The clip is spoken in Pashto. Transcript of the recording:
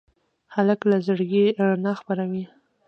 هلک له زړګي رڼا خپروي.